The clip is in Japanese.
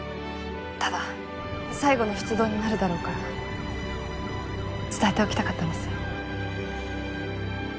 ただ最後の出動になるだろうから伝えておきたかったんです